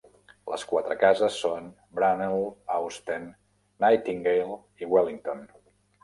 Les quatre cases són: Brunel, Austen, Nightingale i Wellington.